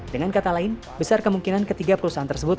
dengan kata lain besar kemungkinan ketiga perusahaan tersebut